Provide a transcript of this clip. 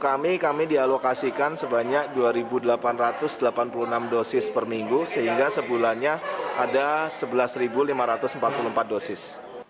kami kami dialokasikan sebanyak dua delapan ratus delapan puluh enam dosis per minggu sehingga sebulannya ada sebelas lima ratus empat puluh empat dosis